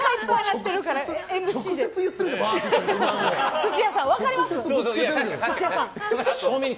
直接言ってるじゃん